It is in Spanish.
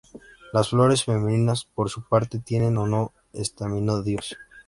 Las flores femeninas, por su parte, tienen o no estaminodios.